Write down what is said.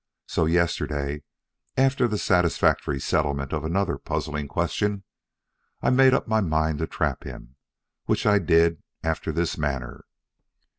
So yesterday, after the satisfactory settlement of another puzzling question, I made up my mind to trap him which I did after this manner.